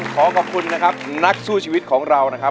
ขอขอบคุณนะครับนักสู้ชีวิตของเรานะครับ